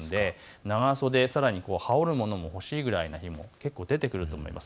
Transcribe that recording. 長袖、さらに羽織るものも欲しいくらいという日も出てくると思います。